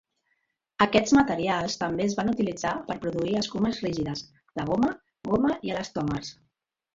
Aquests materials també es van utilitzar per produir escumes rígides, de goma, goma i elastòmers.